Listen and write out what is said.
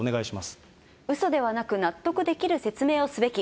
うそではなく、納得できる説明をすべき。